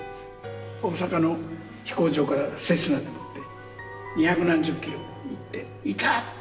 大阪の飛行場からセスナに乗って二百何十キロ行っていたっ！